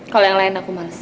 kalau yang lain aku males